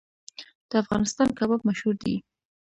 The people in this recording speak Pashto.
د افغانستان کباب مشهور دی